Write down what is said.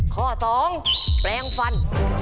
ข้อ๒แปลงฟัน